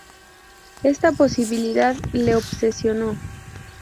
Esta posibilidad le obsesionó.